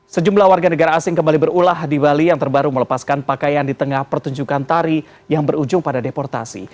sejumlah warga negara asing kembali berulah di bali yang terbaru melepaskan pakaian di tengah pertunjukan tari yang berujung pada deportasi